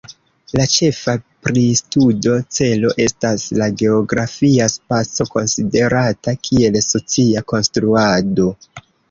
La ĉefa pristudo celo estas la geografia spaco, konsiderata kiel socia konstruado.